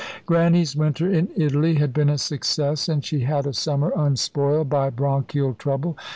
Grannie's winter in Italy had been a success, and she had a summer unspoiled by bronchial trouble.